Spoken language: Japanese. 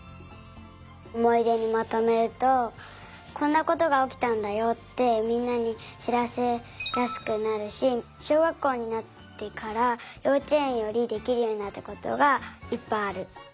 おもいでにまとめるとこんなことがおきたんだよってみんなにしらせやすくなるししょうがっこうになってからようちえんよりできるようになったことがいっぱいある。